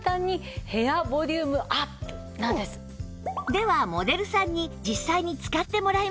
ではモデルさんに実際に使ってもらいましょう